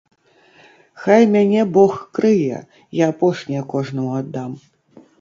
Хай мяне бог крые, я апошняе кожнаму аддам.